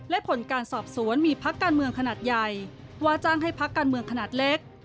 และผลการสอบสวนมีพักการเมืองขนาดใหญ่ว่าจ้างให้พักการเมืองขนาดเล็ก